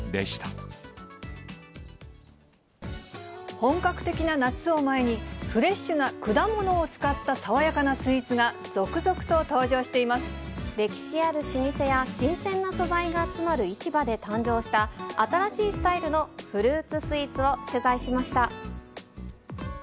本格的な夏を前に、フレッシュな果物を使った爽やかなスイーツが、続々と登場してい歴史ある老舗や、新鮮な素材が集まる市場で誕生した新しいスタイルのフルーツスイーツを取材しました。